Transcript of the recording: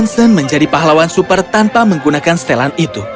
menjadi pahlawan super tanpa menggunakan setelan itu